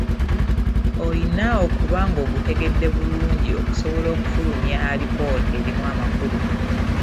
Olina okuba ng’ogutegedde bulungi okusobola okufulumya alipoota erimu amakulu.